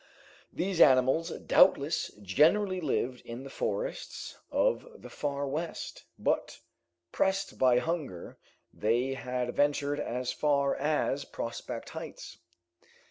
These animals doubtless generally lived in the forests of the Far West, but pressed by hunger, they had ventured as far as Prospect Heights.